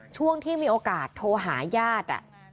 ช่วงที่มีโอกาสโทรหาญาติ